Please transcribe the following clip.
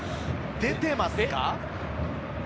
出てますか？